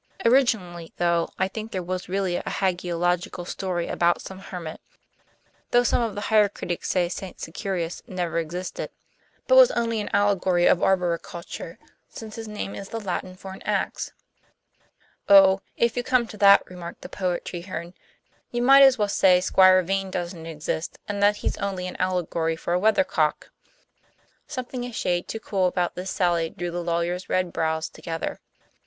Originally, though, I think there was really a hagiological story about some hermit, though some of the higher critics say St. Securis never existed, but was only an allegory of arboriculture, since his name is the Latin for an ax." "Oh, if you come to that," remarked the poet Treherne, "you might as well say Squire Vane doesn't exist, and that he's only an allegory for a weathercock." Something a shade too cool about this sally drew the lawyer's red brows together.